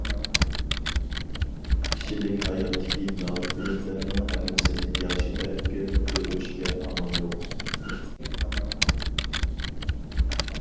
كىشىلىك ھاياتتىكى مەغلۇبىيەتلەرنىڭ ھەممىسىنى ياخشى تەرەپكە ئۆرۈشكە ئامال يوق.